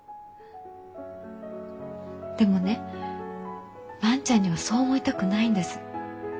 でもね万ちゃんにはそう思いたくないんです。